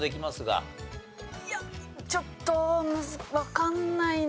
いやちょっとわかんないので。